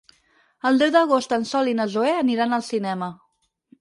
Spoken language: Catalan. El deu d'agost en Sol i na Zoè aniran al cinema.